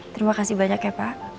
terima kasih banyak ya pak